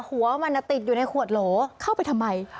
หัวมันติดอยู่ในขวดโหลเข้าไปทำไม